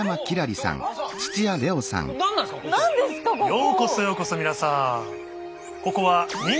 ようこそようこそ皆さん。